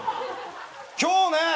今日ね